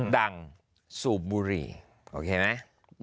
ดังสูบบุรีโอเคมั้ย